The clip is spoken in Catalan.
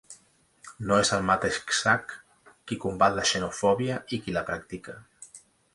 No és al mateix sac qui combat la xenofòbia i qui la practica.